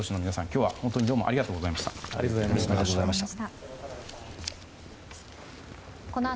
今日は本当にどうもありがとうございました。